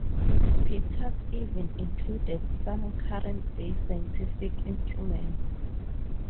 Peters even included some current-day scientific instruments.